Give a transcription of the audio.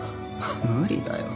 無理だよ。